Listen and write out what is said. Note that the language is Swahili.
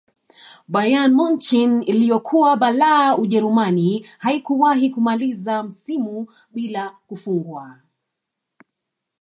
bayern munich iliyokuwa balaa ujerumani haikuwahi kumaliza msimu bila kufungwa